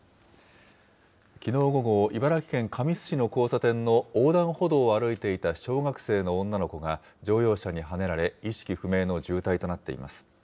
きのう午後、茨城県神栖市の交差点の横断歩道を歩いていた小学生の女の子が乗用車にはねられ、意識不明の重体となっています。